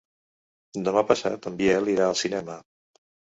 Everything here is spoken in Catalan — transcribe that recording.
Demà passat en Biel irà al cinema.